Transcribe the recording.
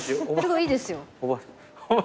いいですよ。